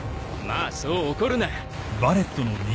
まあそう怒るな。